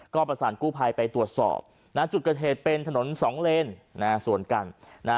ก็ประสานกู้ภัยไปตรวจสอบจุดเกิดเหตุเป็นถนนสองเลนสวนกัน